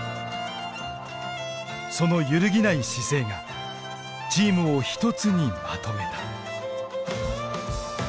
その揺るぎない姿勢がチームを一つにまとめた。